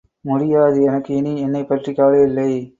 முடியாது! எனக்கு இனி என்னைப் பற்றிக் கவலையில்லை.